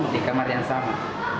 di kamar yang sama